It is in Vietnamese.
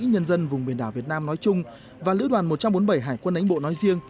nhân dân vùng biển đảo việt nam nói chung và lữ đoàn một trăm bốn mươi bảy hải quân ánh bộ nói riêng